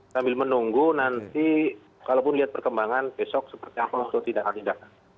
sambil menunggu nanti kalaupun lihat perkembangan besok seperti apa langsung tidak akan tindakan